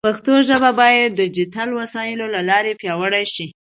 پښتو ژبه باید د ډیجیټل وسایلو له لارې پیاوړې شي.